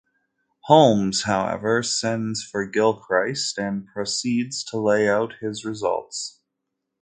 Holmes, however, sends for Gilchrist, and proceeds to lay out his results.